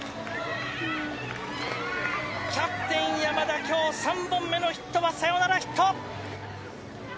キャプテン、山田今日３本目のヒットはサヨナラヒット！